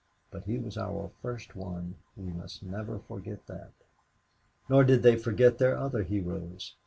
But he was our first one, we must never forget that." Nor did they forget their other heroes.